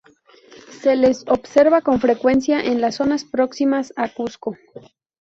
Se les observa con frecuencia en las zonas próximas a Cusco.